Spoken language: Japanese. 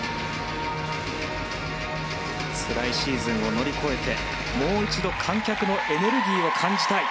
つらいシーズンを乗り越えてもう一度観客のエネルギーを感じたい。